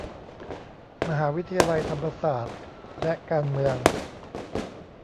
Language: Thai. มหาวิทยาลัยวิชาธรรมศาสตร์และการเมือง